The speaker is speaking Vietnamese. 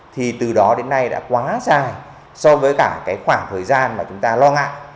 thì từ đó đến nay đã quá dài so với cả cái khoảng thời gian mà chúng ta lo ngại